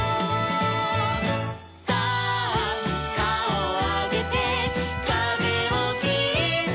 「さあかおをあげてかぜをきって」